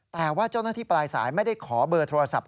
แต่ว่าเจ้าหน้าที่ปลายสายไม่ได้ขอเบอร์โทรศัพท์